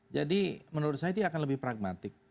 jadi menurut saya dia akan lebih pragmatic